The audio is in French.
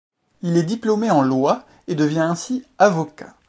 Il est diplômé en loi et devient ainsi avocat.